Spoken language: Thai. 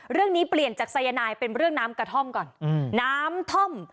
เรื่องนี้เปลี่ยนจากสายนายเป็นเรื่องน้ำกระท่อมก่อนน้ำท่อม